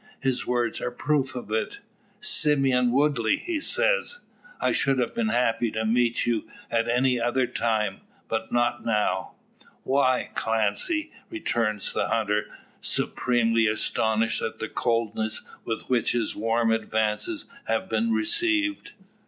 His words are proof of it. "Simeon Woodley," he says, "I should have been happy to meet you at any other time, but not now." "Why, Clancy!" returns the hunter, supremely astonished at the coldness with which his warm advances have been received.